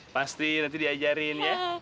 pasti nanti diajarin ya